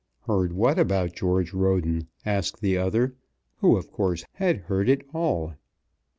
"Heard what about George Roden?" asked the other, who, of course, had heard it all.